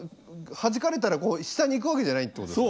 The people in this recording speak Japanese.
はじかれたら下にいくわけじゃないってことですね。